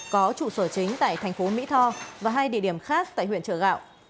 có trụ sở chính tại tp mỹ tho và hai địa điểm khác tại tp hcm